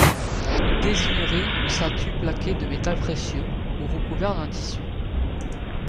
Il désignerait une statue plaquée de métal précieux ou recouvert d'un tissu.